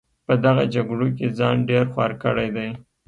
په دغه جګړو کې ځان ډېر خوار کړی دی.